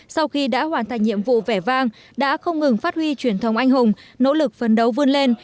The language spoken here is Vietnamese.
sau khi đã hoàn thành nhiệm vụ vẻ vang đã không ngừng phát huy truyền thống anh hùng nỗ lực phấn đấu vươn lên